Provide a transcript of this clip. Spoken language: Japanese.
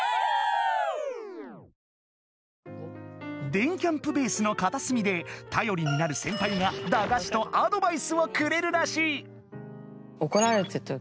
電キャんぷベースのかたすみでたよりになるセンパイがだがしとアドバイスをくれるらしい。